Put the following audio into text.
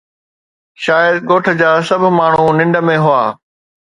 شايد ڳوٺ جا سڀ ماڻهو ننڊ ۾ هئا